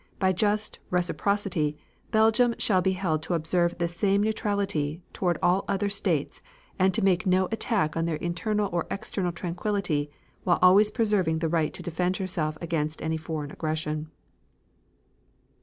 By just reciprocity Belgium shall be held to observe this same neutrality toward all the other states and to make no attack on their internal or external tranquillity while always preserving the right to defend herself against any foreign aggression.